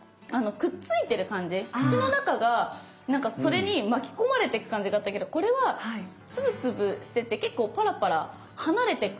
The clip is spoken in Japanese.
口の中がなんかそれに巻き込まれてく感じだったけどこれは粒々してて結構パラパラ離れてく。